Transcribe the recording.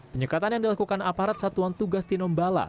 penyekatan yang dilakukan aparat satuan tugas tinombala